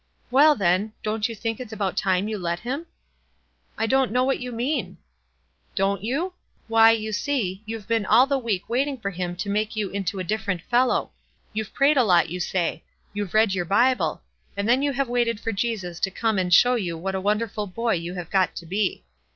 "Well, then, don't you think it's about time you let him?" " I don't know what you mean." "Don't you? Why, you see, you've been all the week waiting for him to make you into a different fellow. You've prayed a lot, you say — you've read your Bible — and then you have waited for Jesus to come and show you what a wonderful boy you have got to be.